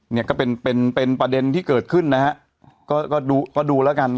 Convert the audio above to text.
เนี่ยก็เป็นเป็นประเด็นที่เกิดขึ้นนะฮะก็ก็ดูก็ดูแล้วกัน